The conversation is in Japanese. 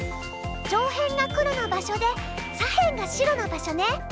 上辺が黒の場所で左辺が白の場所ね。